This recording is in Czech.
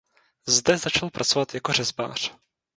Zde začal pracovat jako řezbář.